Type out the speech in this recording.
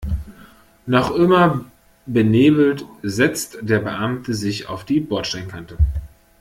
Noch immer benebelt setzt der Beamte sich auf die Bordsteinkante.